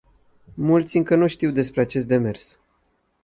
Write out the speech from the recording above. Mulți încă nu știu despre acest demers.